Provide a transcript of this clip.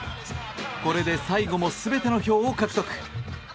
これで最後も全ての票を獲得。